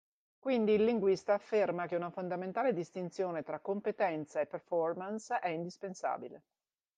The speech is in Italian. Quindi il linguista afferma che una fondamentale distinzione tra competenza e "performance" è indispensabile.